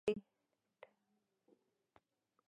د اپرېل له لومړۍ نېټې